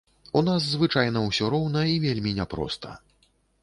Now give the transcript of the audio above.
У нас звычайна ўсё роўна і вельмі няпроста.